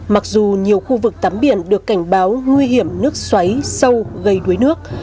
mặc dù nhiều khu vực tắm biển được cảnh báo nguy hiểm nước xoáy sâu gây đuối nước